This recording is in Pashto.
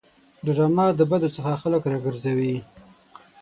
ډرامه د بدو څخه خلک راګرځوي